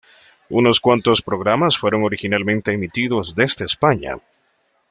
Unos cuantos programas fueron originalmente emitidos desde España.